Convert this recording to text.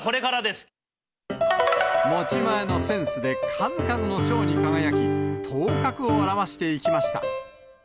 持ち前のセンスで数々の賞に輝き、頭角を現していきました。